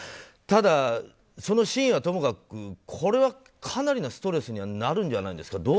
ただ、その真意はともかくこれはかなりのストレスにはなるんじゃないんですか？